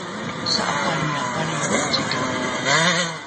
sa’apalriae palriho’o zikange